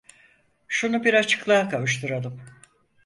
Şunu bir açıklığa kavuşturalım.